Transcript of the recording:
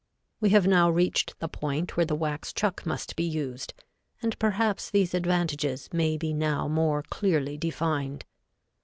We have now reached the point where the wax chuck must be used, and perhaps these advantages may be now more clearly defined.